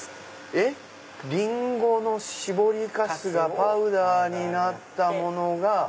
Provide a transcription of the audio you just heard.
えっ⁉リンゴの搾りかすがパウダーになったものが。